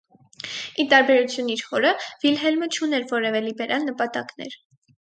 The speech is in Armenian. Ի տարբերություն իր հորը, Վիլհելմը չուներ որևէ լիբերալ նպատակենր։